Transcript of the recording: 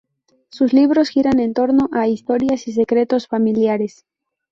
Sus libros giran en torno a historias y secretos familiares.